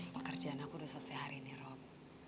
pekerjaan aku sudah selesai hari ini rob